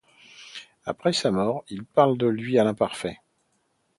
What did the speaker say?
Après sa mort, il parle de lui à l'imparfait.